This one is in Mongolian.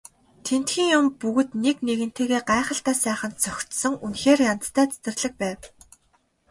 Тэндхийн юм бүгд нэг нэгэнтэйгээ гайхалтай сайхан зохицсон үнэхээр янзтай цэцэрлэг байв.